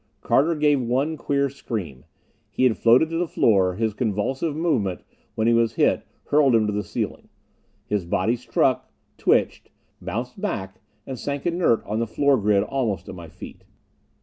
Carter gave one queer scream. He had floated to the floor; his convulsive movement when he was hit hurled him to the ceiling. His body struck, twitched; bounced back and sank inert on the floor grid almost at my feet.